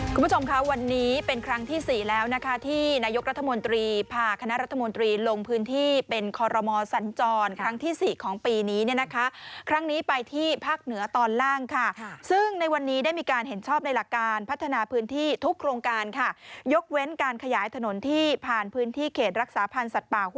คุณผู้ชมคะวันนี้เป็นครั้งที่สี่แล้วนะคะที่นายกรัฐมนตรีพาคณะรัฐมนตรีลงพื้นที่เป็นคอรมอสัญจรครั้งที่สี่ของปีนี้เนี่ยนะคะครั้งนี้ไปที่ภาคเหนือตอนล่างค่ะซึ่งในวันนี้ได้มีการเห็นชอบในหลักการพัฒนาพื้นที่ทุกโครงการค่ะยกเว้นการขยายถนนที่ผ่านพื้นที่เขตรักษาพันธ์สัตว์